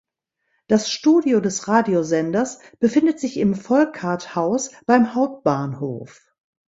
Das Studio des Radiosenders befindet sich im Volkart-Haus beim Hauptbahnhof.